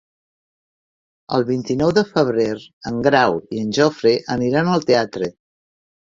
El vint-i-nou de febrer en Grau i en Jofre aniran al teatre.